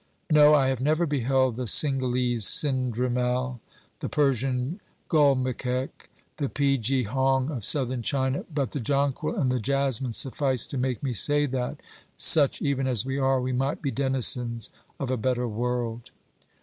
No, I have never beheld the Cingalese sindrimal, the Persian gulmikek, the pe ge hong of Southern China, but the jonquil and the jasmine suffice to make me say that, such even as we are, we might be denizens of a better world.